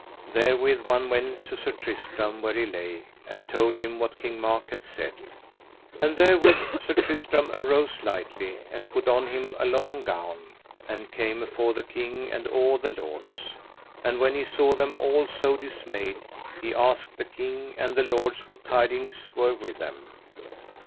Therewith one went to Sir Tristram where he lay, and told him what King Mark had said. And therewith Sir Tristram arose lightly, and put on him a long gown, and came afore the king and all the lords. And when he saw them all so dismayed he asked the king and the lords what tidings were with them.